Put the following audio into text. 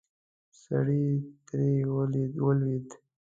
سړی ترې ولوېد.